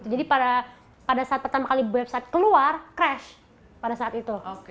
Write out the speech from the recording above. jadi pada saat pertama kali website keluar crash pada saat itu